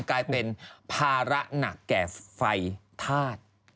กลายเป็นภาระหนักแก่ไฟธาตุ